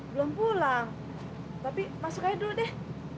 belum pulang tapi masuk edo deh